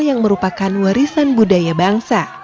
yang merupakan warisan budaya bangsa